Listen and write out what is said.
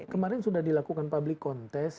kemarin sudah dilakukan public contest